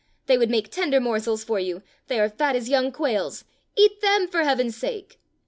They would make tender morsels for you. They are fat as young quails. Eat them, for heaven's sake."